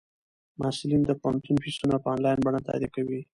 محصلین د پوهنتون فیسونه په انلاین بڼه تادیه کوي.